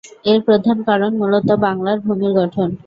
এর প্রধান কারণ মূলত বাংলার ভূমির গঠন।